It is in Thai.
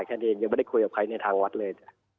แค่นี้ยังไม่ได้คุยกับใครในทางวัดเลยจ้ะ